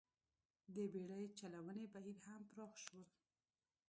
د بېړۍ چلونې بهیر هم پراخ شول.